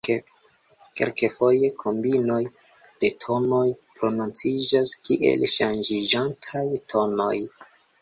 Kelkfoje kombinoj de tonoj prononciĝas kiel ŝanĝiĝantaj tonoj.